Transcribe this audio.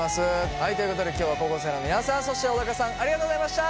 はいということで今日は高校生の皆さんそして小高さんありがとうございました。